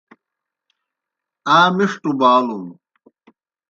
آ مِݜٹوْ بالُن۔